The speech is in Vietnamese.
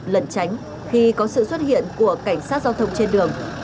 lẩn tránh khi có sự xuất hiện của cảnh sát giao thông trên đường